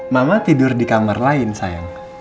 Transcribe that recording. mama tidur di kamar lain sayang